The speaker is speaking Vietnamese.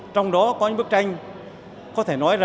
trong đó có những bức tranh có thể nói là